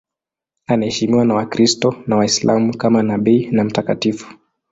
Anaheshimiwa na Wakristo na Waislamu kama nabii na mtakatifu.